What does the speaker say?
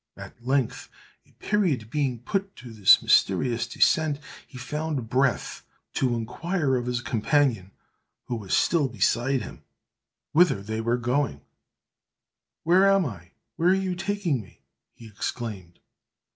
At length, a period being put to this mysterious descent, he found breath to inquire of his companion, who was still beside him, whither they were going: "Where am I? where are you taking me?" he exclaimed.